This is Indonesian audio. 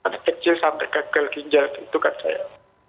anak kecil sampai gagal ginjal itu kan saya